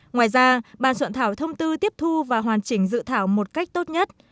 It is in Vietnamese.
ngoài ra bàn soạn thảo thông tư tiếp thu và hoàn chỉnh dự thảo một cách tốt nhất